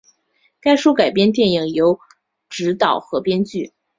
该书的改编电影由执导和编剧。